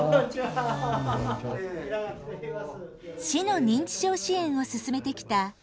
市の認知症支援を進めてきた稲垣課長。